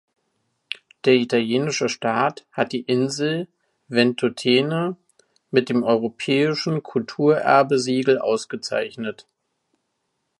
Der italienische Staat hat die Insel Ventotene mit dem Europäischen Kulturerbe-Siegel ausgezeichnet.